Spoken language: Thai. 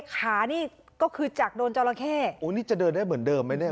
ขานี่ก็คือจากโดนจราเข้โอ้นี่จะเดินได้เหมือนเดิมไหมเนี่ย